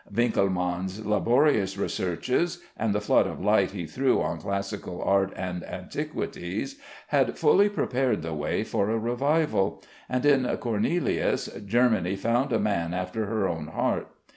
Winkleman's laborious researches, and the flood of light he threw on classical art and antiquities, had fully prepared the way for a revival; and in Cornelius, Germany found a man after her own heart.